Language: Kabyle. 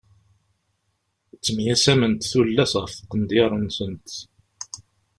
Ttemyasament tullas ɣef tqendyar-nsent.